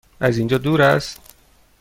از اینجا دور است؟